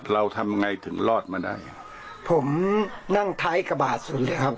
เราลงไปดูอ่ะพ่อ